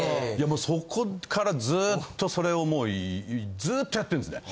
もうそこからずっとそれをもうずっとやってるんですね。